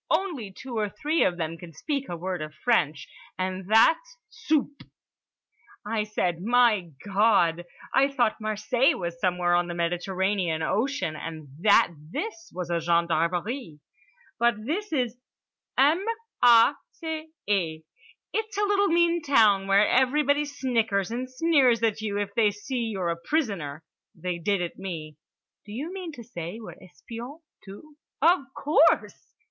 Only two or three of them can speak a word of French, and that's soupe!" I said, "My God, I thought Marseilles was somewhere on the Mediterranean Ocean, and that this was a gendarmerie." "But this is M a c é. It's a little mean town, where everybody snickers and sneers at you if they see you're a prisoner. They did at me." "Do you mean to say we're espions too?" "Of course!"